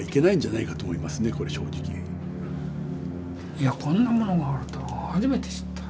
いやこんなものがあるとは初めて知った。